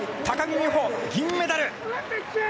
高木美帆、銀メダル。